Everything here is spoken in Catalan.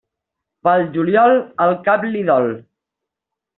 Pel juliol, el cap li dol.